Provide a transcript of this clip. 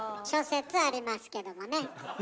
諸説ありますけどもね。